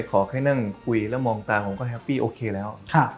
ขอให้นั่งคุยแล้วมองตาผมก็แฮปปี้โอเคแล้ว